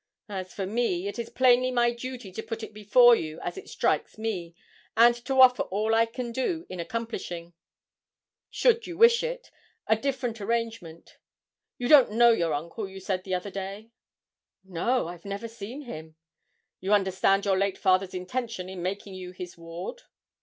As for me, it is plainly my duty to put it before you as it strikes me, and to offer all I can do in accomplishing, should you wish it, a different arrangement. You don't know your uncle, you said the other day?' 'No, I've never seen him.' 'You understand your late father's intention in making you his ward?'